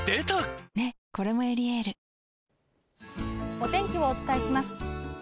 お天気をお伝えします。